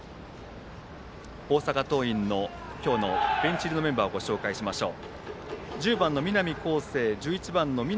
大阪桐蔭の今日のベンチ入りのメンバーをご紹介しましょう。